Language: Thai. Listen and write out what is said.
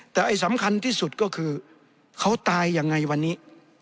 แต่ไอ้สำคัญที่สุดก็คือเขาตายยังไงวันนี้